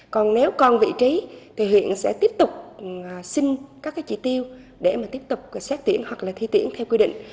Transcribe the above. còn nếu con vị trí thì huyện sẽ tiếp tục xin các cái chỉ tiêu để mà tiếp tục xét tuyển hoặc là thi tuyển theo quy định